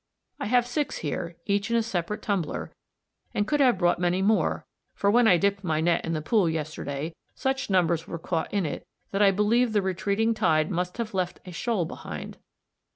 I have six here, each in a separate tumbler, and could have brought many more, for when I dipped my net in the pool yesterday such numbers were caught in it that I believe the retreating tide must just have left a shoal behind.